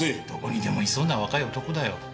どこにでもいそうな若い男だよ。